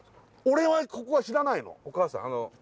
俺はここは知らないのお母さん？